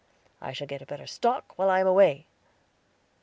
"I shall get a better stock while I am away."